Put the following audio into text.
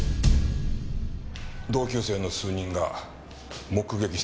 同級生の数人が目撃してたよ。